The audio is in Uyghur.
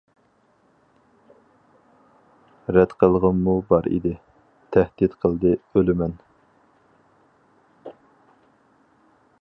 رەت قىلغۇممۇ بار ئىدى، تەھدىت قىلدى ئۆلىمەن.